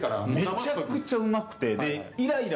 めちゃくちゃうまくて。